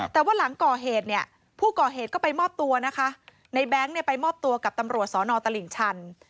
แต่ว่าหลังก่อเหตุเนี่ยผู้ก่อเหตุก็ไปมอบตัวนะคะในแบงค์เนี่ยไปมอบตัวกับตำรวจสอนอตลิ่งชัน